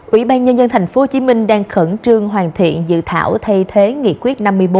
ủy ban nhân dân tp hcm đang khẩn trương hoàn thiện dự thảo thay thế nghị quyết năm mươi bốn